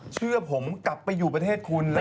เพราะผมกลับไปอยู่ประเทศน่ะ